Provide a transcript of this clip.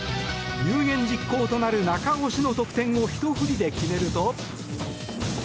有言実行となる中押しの得点をひと振りで決めると。